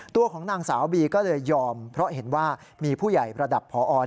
ตัวของนางสาวบีก็เลยยอมเพราะเห็นว่ามีผู้ใหญ่ระดับพอ